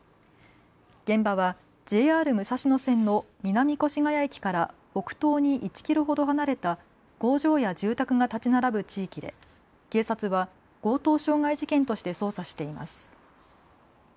現場はＪＲ武蔵野線の南越谷駅から北東に１キロほど離れた工場や住宅が建ち並ぶ地域で警察は強盗傷害事件として捜査しています。